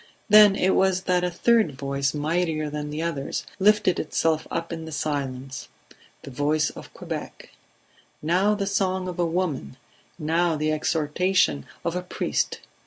Then it was that a third voice, mightier than the others, lifted itself up in the silence: the voice of Quebec now the song of a woman, now the exhortation of a priest.